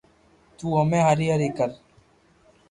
تو ھمي ھري ھري ڪر